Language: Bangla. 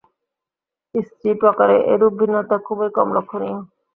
স্ত্রী প্রকারে এইরূপ ভিন্নতা খুবই কম লক্ষনীয়।